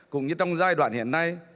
cũng như trong giai đoạn hiện nay